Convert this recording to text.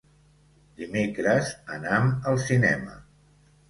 Dimecres anam al cinema.